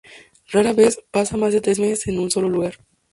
Rara vez pasa más de tres meses en un solo lugar.